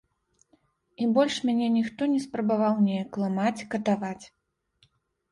І больш мяне ніхто не спрабаваў неяк ламаць, катаваць.